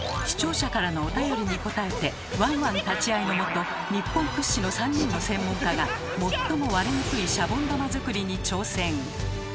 ⁉視聴者からのおたよりに応えてワンワン立ち会いのもと日本屈指の３人の専門家が最も割れにくいシャボン玉作りに挑戦！